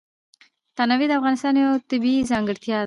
تنوع د افغانستان یوه طبیعي ځانګړتیا ده.